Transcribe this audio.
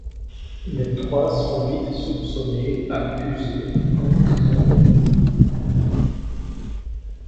Les trois sont vite soupçonnés, accusés, emprisonnés.